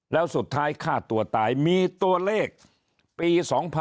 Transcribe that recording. แล้วสุดท้ายฆ่าตัวตายมีตัวเลขปี๒๕๖๒